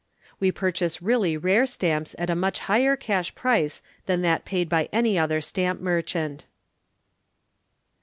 We purchase really Rare Stamps at a much higher Cash Price than that paid by any other Stamp Merchant.